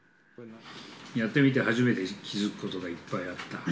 やってみて初めて気付くことがいっぱいあった。